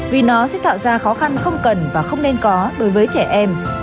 vì nó sẽ tạo ra khó khăn không cần và không nên có đối với trẻ em